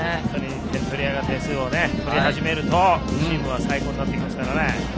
点取り屋が点数を取り始めるとチームは最高になってきますから。